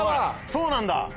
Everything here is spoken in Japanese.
そうなんだ！